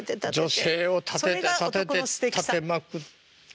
女性を立てて立てて立てまくって奉って。